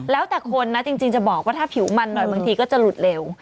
แล้วแต่คนนะจริงจะบอกว่าถ้าผิวมันหน่อยบางทีก็จะหลุดเร็ว